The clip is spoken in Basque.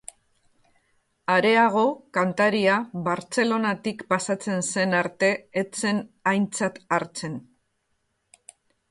Areago, kantaria Bartzelonatik pasatzen zen arte ez zen aintzat hartzen.